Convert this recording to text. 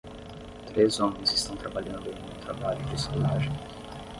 Três homens estão trabalhando em um trabalho de soldagem.